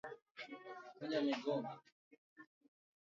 Kumbe kijana yule ako na mbio